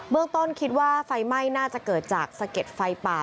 เมืองต้นคิดว่าไฟไหม้น่าจะเกิดจากสะเก็ดไฟป่า